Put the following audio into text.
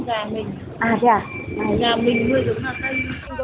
không gà mình